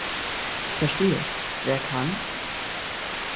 Verstehe, wer kann.